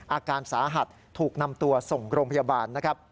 อาการสาหัสถูกนำตัวส่งโรงพยาบาลนะครับ